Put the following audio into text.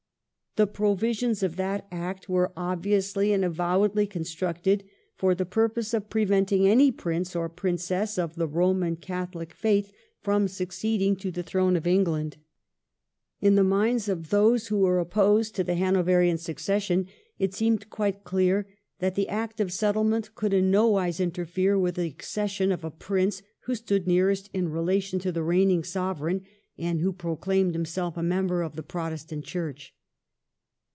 The pro visions of that Act were obviously and avowedly con structed for the purpose of preventing any Prince or Princess of the Roman Catholic faith from succeeding to the throne of England. In the minds of those who were opposed to the Hanoverian succession it seemed quite clear that the Act of Settlement could in no wise interfere with the accession of a Prince who stood nearest in relation to the reigning Sovereign and who proclaimed himself a member of the Pro testant Church.